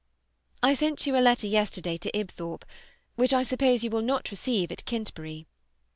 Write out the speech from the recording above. I sent you a letter yesterday to Ibthorp, which I suppose you will not receive at Kintbury.